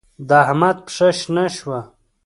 د احمد پښه شنه شوه.